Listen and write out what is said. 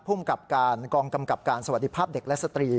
ภูมิกับการกองกำกับการสวัสดีภาพเด็กและสตรี